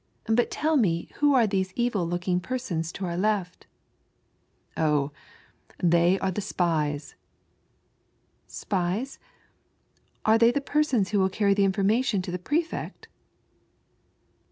But tell me who are those evil looking persons to our left ?"" Oh, they are the spies." " Spies ? are they the persons who will carry the information to the Prefect?"